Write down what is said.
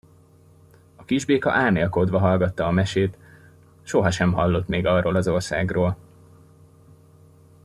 A kisbéka álmélkodva hallgatta a mesét: sohasem hallott még arról az országról.